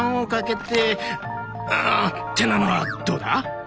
あってなのはどうだ？